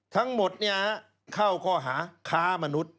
ทั้งหมดเข้าข้อหาค้ามนุษย